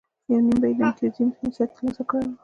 یو نیم به یې امتیازي حیثیت ترلاسه کړی و.